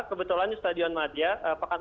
kebetulan di stadion madia pekan